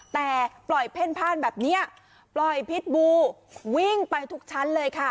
แต่ปล่อยเพ่นพ่านแบบนี้ปล่อยพิษบูวิ่งไปทุกชั้นเลยค่ะ